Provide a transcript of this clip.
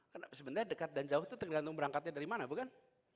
karena sebenarnya dekat dan jauh itu tergantung berangkatnya dari mana bukan